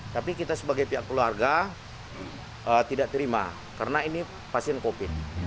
tapi kita sebagai pihak keluarga tidak terima karena ini pasien covid